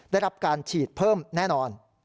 ได้รับการฉีดเพิ่มแน่นอน